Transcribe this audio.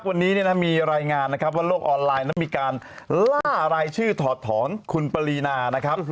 วันนี้มีรายงานนะครับว่าโลกออนไลน์นั้นมีการล่ารายชื่อถอดถอนคุณปรีนานะครับ